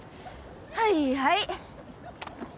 はいはい。